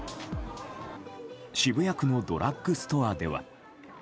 渋谷区のドラッグストアでは。